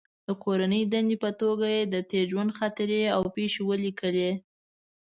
د کورنۍ دندې په توګه یې د تېر ژوند خاطرې او پېښې ولیکلې.